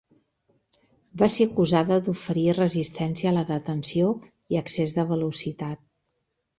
Va ser acusada d"oferir resistència a la detenció i excés de velocitat.